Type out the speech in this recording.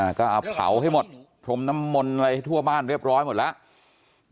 ก็เอาเผาให้หมดพรมน้ำมนต์อะไรทั่วบ้านเรียบร้อยหมดแล้ว